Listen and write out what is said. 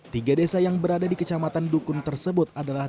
tiga desa yang berada di kecamatan dukun tersebut adalah